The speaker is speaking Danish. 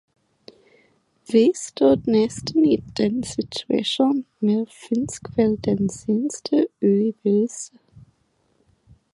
Vi stod næsten i den situation med finsk ved den seneste udvidelse.